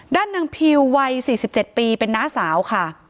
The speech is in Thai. ด้านนางพิววัย๔๗ปีเป็นน้าสาวค่ะ